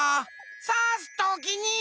さすときに。